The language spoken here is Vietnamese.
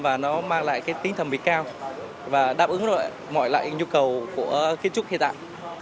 và nó mang lại cái tính thẩm mỹ cao và đáp ứng mọi loại nhu cầu của kiến trúc hiện tại